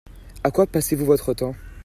À quoi passez-vous votre temps ?